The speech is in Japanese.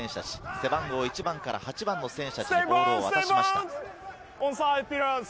背番号１番から８番の選手たちにボールを渡しました。